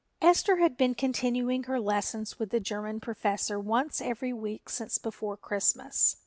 Esther had been continuing her lessons with the German professor once every week since before Christmas.